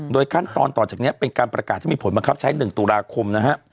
ขั้นตอนต่อจากนี้เป็นการประกาศที่มีผลบังคับใช้๑ตุลาคมนะฮะ